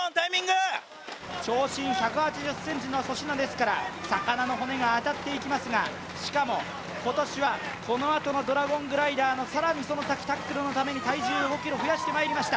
長身１８０ｃｍの粗品ですから魚の骨が当たっていきますがしかも、今年はこのあとのドラゴングライダーの更にその先タックルのために体重を５ｋｇ増やしてきました。